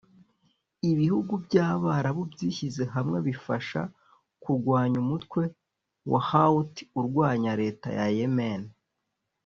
Ibihugu by’Abarabu byishyize hamwe bifasha mu kurwanya umutwe wa Houthi urwanya leta ya Yemen